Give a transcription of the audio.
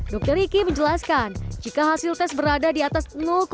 dokter iki menjelaskan jika hasil tes berada di atas